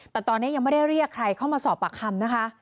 แต่ตอนนี้ยังไม่ได้เรียกใครเข้ามาสอบปากคำนะคะ